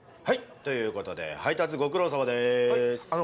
はい！ということで配達ご苦労さまです。